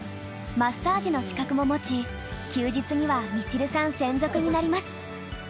マッサージの資格も持ち休日にはみちるさん専属になります。